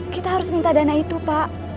kita harus minta dana itu pak